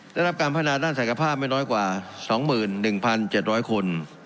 ได้รับการพัฒนาด้านศักยภาพไม่น้อยกว่า๒๑๗๐๐คน